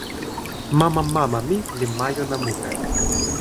mama mama mi li majuna mute.